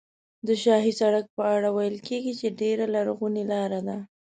د شاهي سړک په اړه ویل کېږي چې ډېره لرغونې لاره ده.